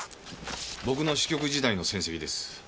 僕の支局時代の成績です。